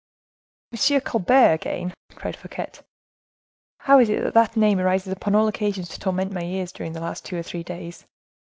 "Monsieur Colbert again!" cried Fouquet. "How is it that that name rises upon all occasions to torment my ears, during the last two or three days?